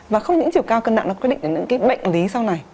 và không những chiều cao cân nặng nó quyết định đến những bệnh lý sau này